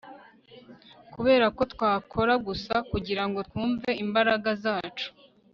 Kuberako twakora gusa kugirango twumve imbaraga zacu